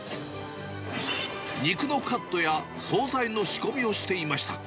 肉のカットや総菜の仕込みをしていました。